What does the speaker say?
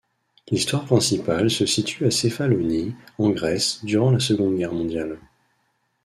L’histoire principale se situe à Céphalonie en Grèce durant la Seconde Guerre mondiale.